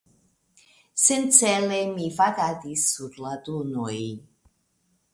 Sencele mi vagadis sur la dunoj.